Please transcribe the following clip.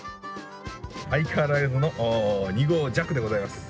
相変わらずの２合弱でございます。